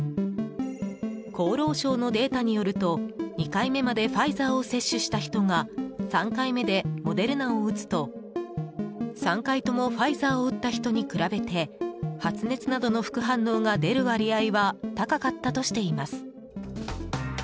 厚労省のデータによると２回目までファイザーを接種した人が３回目でモデルナを打つと３回ともファイザーを打った人に比べて発熱などの副反応が出る割合は高かったとしています。